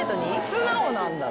素直なんだな。